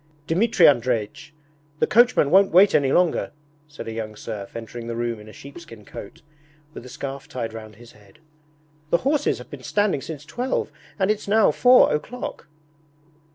'Dmitri Andreich! The coachman won't wait any longer!' said a young serf, entering the room in a sheepskin coat, with a scarf tied round his head. 'The horses have been standing since twelve, and it's now four o'clock!'